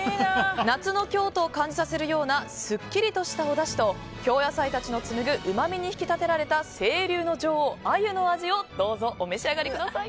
夏の京都を感じさせるようなすっきりとしたおだしと京野菜たちの紡ぐうまみに引き立てられた清流の女王アユのお味をお楽しみください。